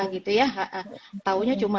gitu ya taunya cuma